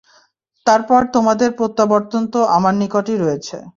তারপর তোমাদের প্রত্যাবর্তনতো আমার নিকটই রয়েছে।